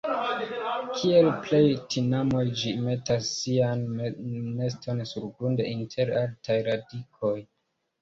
Kiel plej tinamoj ĝi metas sian neston surgrunde inter altaj radikoj.